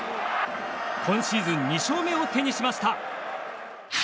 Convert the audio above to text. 今シーズン２勝目を手にしました。